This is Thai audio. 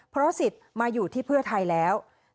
เพราะสิทธิ์มาอยู่ที่เพื่อไทยแล้ว